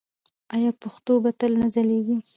آیا پښتو به تل نه ځلیږي؟